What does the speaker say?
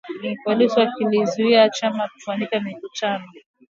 Polisi walikizuia chama kufanya mikutano